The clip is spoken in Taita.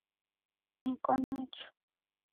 Neko nacho.